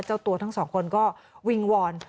เจ้าตัวทั้งสองคนก็วิงวอน